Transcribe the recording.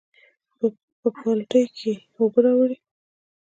پۀ بالټي کښې ئې اوبۀ راوړې ـ